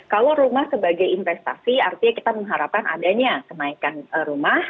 kalau rumah sebagai investasi artinya kita mengharapkan adanya kenaikan rumah